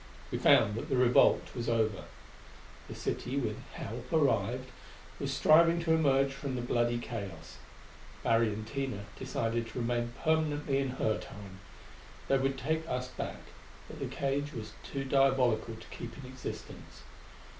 We found that the revolt was over. The city, with help arrived, was striving to emerge from the bloody chaos. Larry and Tina decided to remain permanently in her Time. They would take us back; but the cage was too diabolical to keep in existence.